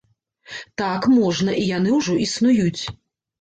Так, можна, і яны ўжо існуюць.